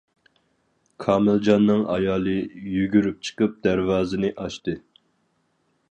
كامىلجاننىڭ ئايالى يۈگۈرۈپ چىقىپ دەرۋازىنى ئاچتى.